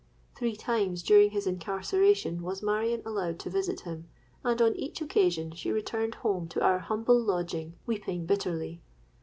Three times during his incarceration was Marion allowed to visit him; and on each occasion she returned home to our humble lodging weeping bitterly.